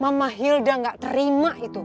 mama hilda gak terima itu